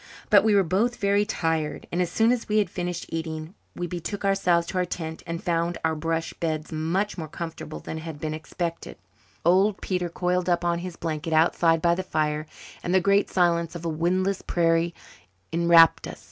But we were both very tired, and as soon as we had finished eating we betook ourselves to our tent and found our brush beds much more comfortable than I had expected. Old Peter coiled up on his blanket outside by the fire, and the great silence of a windless prairie enwrapped us.